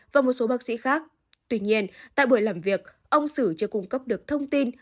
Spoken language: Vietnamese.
và một số bác sĩ khác tuy nhiên tại buổi làm việc ông sử chưa cung cấp được thông tin